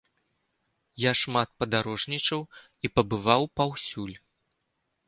Я шмат падарожнічаў і пабываў паўсюль.